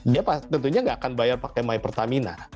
dia tentunya nggak akan bayar pakai my pertamina